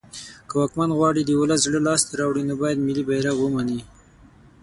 که واکمن غواړی د ولس زړه لاس ته راوړی نو باید ملی بیرغ ومنی